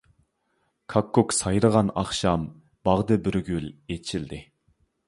كاككۇك سايرىغان ئاخشام، باغدا بىر گۈل ئىچىلدى.